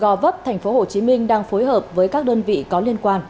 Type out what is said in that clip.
gò vấp tp hcm đang phối hợp với các đơn vị có liên quan